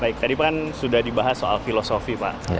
baik tadi kan sudah dibahas soal filosofi pak